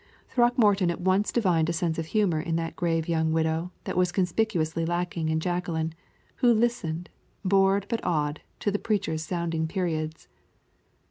Throckmorton at once divined a sense of humor in that grave young widow that was conspicuously lacking in Jacqueline, who listened, bored but awed, to the preacher's sounding periods.